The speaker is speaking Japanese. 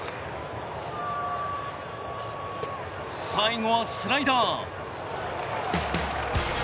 最後はスライダー。